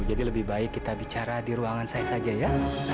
lebih baik kita bicara di ruangan saya saja ya